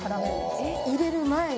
入れる前に？